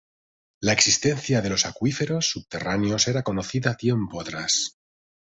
La existencia de los acuíferos subterráneos era conocida tiempo atrás.